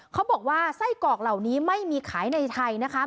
เขาบอกว่าไส้กรอกเหล่านี้ไม่มีขายในไทยนะคะ